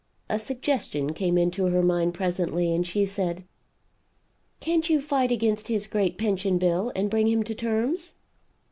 A suggestion came into her mind presently and she said: "Can't you fight against his great Pension bill and bring him to terms?"